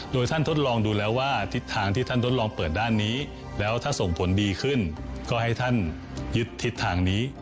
โดยท่านทดลองดูแล้วว่าทิศทางที่ท่านทดลองเปิดด้านนี้แล้วถ้าส่งผลดีขึ้นก็ให้ท่านยึดทิศทางนี้